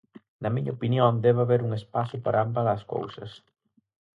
Na miña opinión, debe haber un espazo para ambas as cousas.